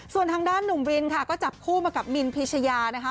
ส่วนทางด้านหนุ่มวินค่ะก็จับคู่มากับมินพิชยานะคะ